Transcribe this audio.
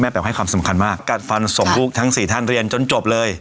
แปลให้ความสำคัญมากกัดฟันส่งลูกทั้ง๔ท่านเรียนจนจบเลย